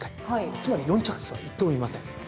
つまり４着以下は１頭もいません。